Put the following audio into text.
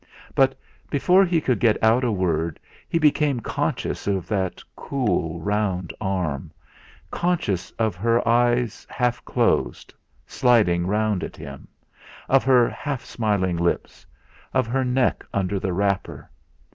But before he could get out a word he became conscious of that cool round arm, conscious of her eyes half closed, sliding round at him, of her half smiling lips, of her neck under the wrapper.